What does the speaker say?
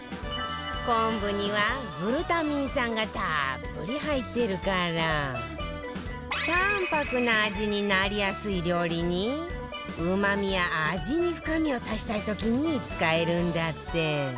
昆布にはグルタミン酸がたっぷり入ってるから淡泊な味になりやすい料理にうまみや味に深みを足したい時に使えるんだって